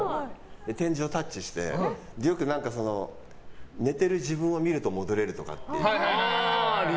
天井タッチしてよく、寝ている自分を見ると戻れるとかって。